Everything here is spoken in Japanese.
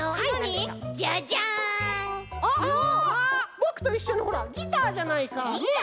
ぼくといっしょのギターじゃないかねえ。